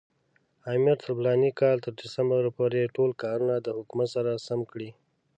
امیر تر فلاني کال تر سپټمبر پورې ټول کارونه د حکومت سره سم کړي.